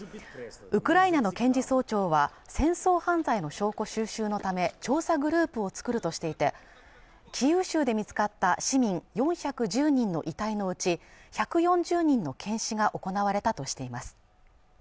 ウクライナの検事総長は戦争犯罪の証拠収集のため調査グループを作るとしていてキーウ州で見つかった市民４１０人の遺体のうち１４０人の検視が行われたとしています